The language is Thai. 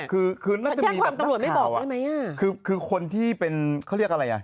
คือคือน่าจะมีแต่ตำรวจไม่บอกได้ไหมอ่ะคือคือคนที่เป็นเขาเรียกอะไรอ่ะ